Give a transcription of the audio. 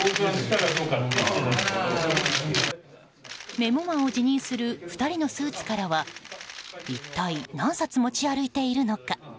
メモ魔を自認する２人のスーツからは一体何冊持ち歩いているのか。